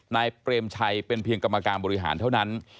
เปรมชัยเป็นเพียงกรรมการบริหารเท่านั้น